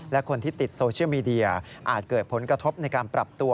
และคนที่ติดโซเชียลมีเดียอาจเกิดผลกระทบในการปรับตัว